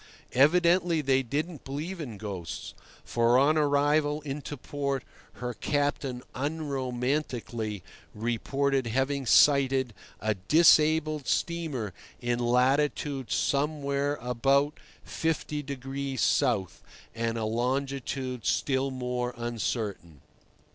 Evidently they didn't believe in ghosts, for on arrival into port her captain unromantically reported having sighted a disabled steamer in latitude somewhere about 50 degrees S. and a longitude still more uncertain.